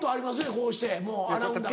こうしてもう洗うんだから。